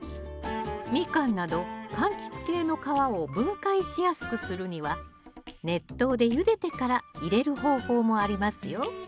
ミカンなどかんきつ系の皮を分解しやすくするには熱湯でゆでてから入れる方法もありますよ